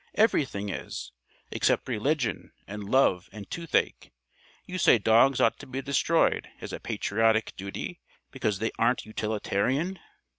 "Everything is, except religion and love and toothache. You say dogs ought to be destroyed as a patriotic duty because they aren't utilitarian.